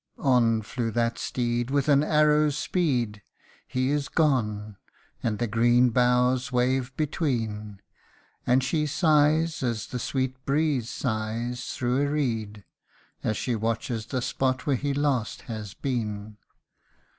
On flew that steed with an arrow's speed ; He is gone and the green boughs wave between : And she sighs, as the sweet breeze sighs through a reed, As she watches the spot where he last has been.